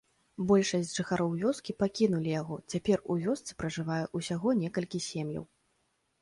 Большасць жыхароў вёскі пакінулі яго, цяпер у вёсцы пражывае ўсяго некалькі сем'яў.